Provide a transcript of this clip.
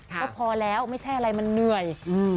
ก็พอแล้วไม่ใช่อะไรมันเหนื่อย